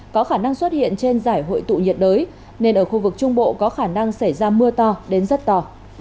có khả năng xuất hiện trên giải hội tụ nhiệt đới nên ở khu vực trung bộ có khả năng xảy ra mưa to đến rất to